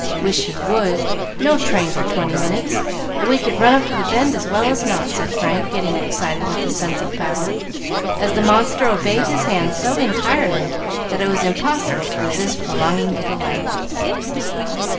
"Wish he would; no train for twenty minutes, and we could run up to the bend as well as not," said Frank, getting excited with the sense of power, as the monster obeyed his hand so entirely that it was impossible to resist prolonging the delight.